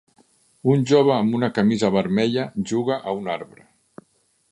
Un jove amb una camisa vermella juga a un arbre.